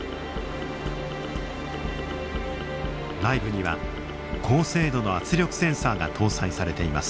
内部には高精度の圧力センサーが搭載されています。